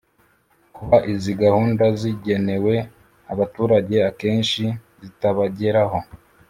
Kuba izi gahunda zigenewe abaturage akenshi zitabageraho